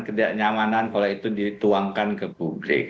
kedek nyamanan kalau itu dituangkan ke publik